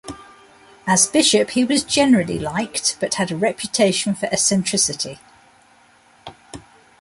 As bishop he was generally liked, but had a reputation for eccentricity.